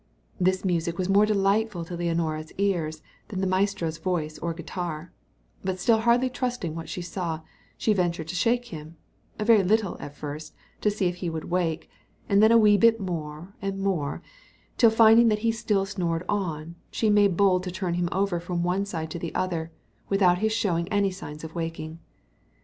This was music more delightful to Leonora's ears than the maestro's voice or guitar; but still hardly trusting what she saw, she ventured to shake him, a very little at first, to see if he would wake; and then a wee bit more and more, till finding that he still snored on, she made bold to turn him over from one side to the other, without his showing any signs of waking.